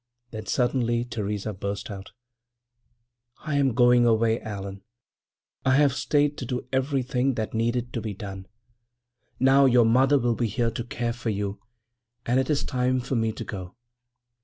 Then suddenly Theresa burst out: "I am going away, Allan. I have stayed to do everything that needed to be done. Now your mother will be here to care for you, and it is time for me to go."